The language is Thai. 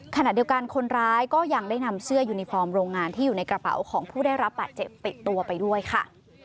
ขณะเดียวกันคนร้ายก็ยังได้นำเสื้อยูนิฟอร์มโรงงานที่อยู่ในกระเป๋าของผู้ได้รับบาดเจ็บติดตัวไปด้วยค่ะ